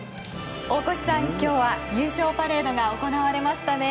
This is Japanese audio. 大越さん、今日は優勝パレードが行われましたね。